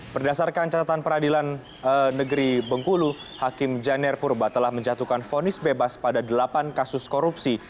berdasarkan catatan peradilan negeri bengkulu hakim janer purba telah menjatuhkan fonis bebas pada delapan kasus korupsi